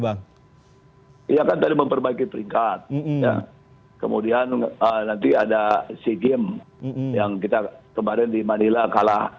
bang iya kan tadi memperbaiki peringkatnya kemudian nanti ada si game yang kita kemarin di manila kalah